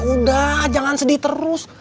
udah jangan sedih terus